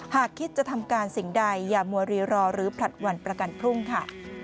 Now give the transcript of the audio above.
หากคิดจะทำการสิ่งใดอย่ามัวรีรอหรือผลัดวันประกันพรุ่งค่ะ